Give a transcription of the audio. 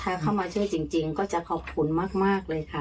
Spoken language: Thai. ถ้าเข้ามาช่วยจริงก็จะขอบคุณมากเลยค่ะ